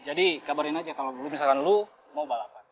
jadi kabarin aja kalo misalkan lu mau balapan